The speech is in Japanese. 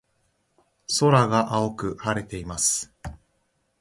空が青く晴れています。